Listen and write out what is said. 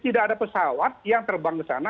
tidak ada pesawat yang terbang ke sana